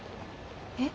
えっ？